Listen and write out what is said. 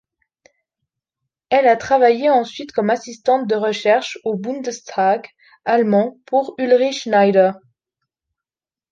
Elle a travaille ensuite comme assistante de recherche au Bundestag allemand pour Ulrich Schneider.